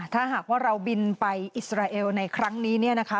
ถ้าหากว่าเราบินไปอิสราเอลในครั้งนี้เนี่ยนะคะ